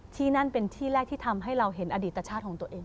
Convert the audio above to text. ที่นั่นเป็นที่แรกที่ทำให้เราเห็นอดีตชาติของตัวเอง